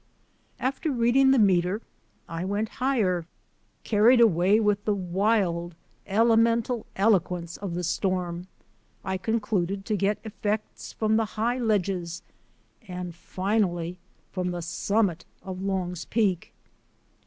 After reading the meter, I went higher. Carried away with the wild, elemental eloquence of the storm, I concluded to get effects from the high ledges and finally from the summit of Long's Peak.